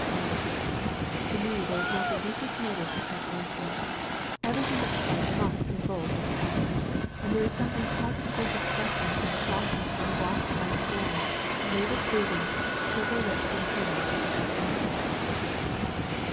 A. To me there is not the weakest motive for tight lacing. Everything but pride must revolt at the habit; and there is something positively disgusting and shocking in the wasp like form, labored breathing, purple lips and hands of the tight lacer.